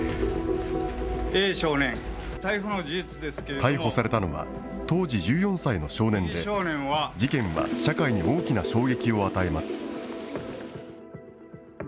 逮捕されたのは、当時１４歳の少年で、事件は社会に大きな衝撃を与えます。